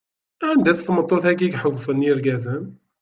Anda-tt tmeṭṭut-agi i iḥewwṣen irgazen?